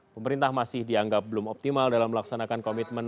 pemerintah masih dianggap belum optimal dalam melaksanakan komitmen